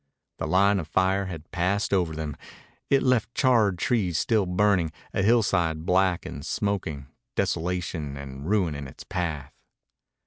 The line of fire had passed over them. It left charred trees still burning, a hillside black and smoking, desolation and ruin in its path.